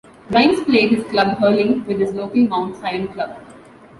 Grimes played his club hurling with his local Mount Sion club.